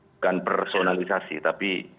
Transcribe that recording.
bukan personalisasi tapi